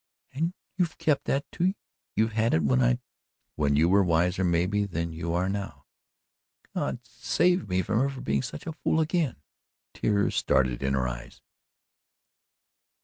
"And you've kept that, too, you had it when I " "When you were wiser maybe than you are now." "God save me from ever being such a fool again." Tears started in her eyes.